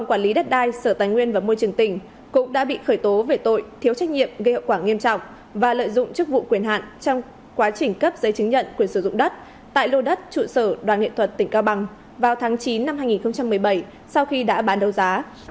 quá trình cấp giấy chứng nhận quyền sử dụng đất tại lô đất trụ sở đoàn nghệ thuật tỉnh cao bằng vào tháng chín năm hai nghìn một mươi bảy sau khi đã bán đầu giá